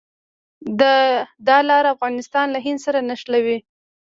دا لار افغانستان له هند سره نښلوي.